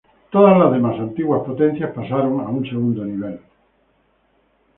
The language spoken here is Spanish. Todas las demás antiguas potencias pasaron a un segundo nivel.